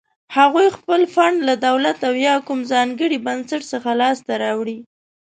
هغوی خپل فنډ له دولت او یا کوم ځانګړي بنسټ څخه لاس ته راوړي.